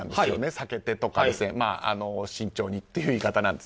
避けてとか、慎重にという言い方なんです。